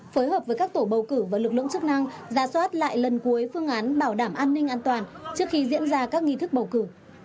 phối hợp với các tổ bầu cử và lực lượng chức năng ra soát lại lần cuối phương án bảo đảm an ninh an toàn trước khi diễn ra các nghi thức bầu cử